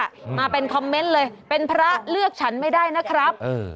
มาเป็นคอมเมนต์เลยเป็นพระเลือกฉันไม่ได้นะครับเออ